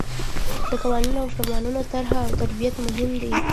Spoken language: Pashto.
د قوانینو او فرمانونو طرح او ترتیب مهم دي.